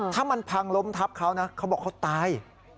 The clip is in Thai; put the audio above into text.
ถ้ามันพังล้มทับเขานะเขาบอกเขาตาย